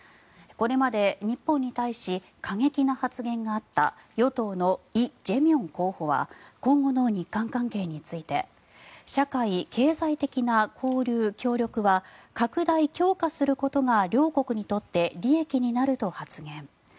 これまで日本に対し過激な発言があった与党のイ・ジェミョン候補は今後の日韓関係について社会・経済的な交流協力は拡大・強化することが両国にとって利益になると発言。